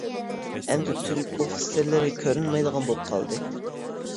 ئەمدى تۈرك ئوفىتسېرلىرى كۆرۈنمەيدىغان بولۇپ قالدى.